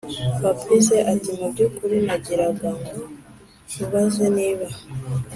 fabric ati”mubyukuri nagiraga ngo nkubaze niba